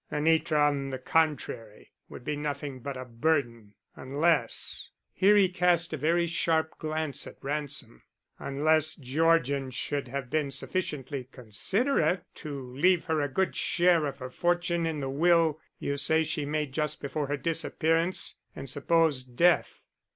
Anitra, on the contrary, could be nothing but a burden, unless " here he cast a very sharp glance at Ransom "unless Georgian should have been sufficiently considerate to leave her a good share of her fortune in the will you say she made just before her disappearance and supposed death."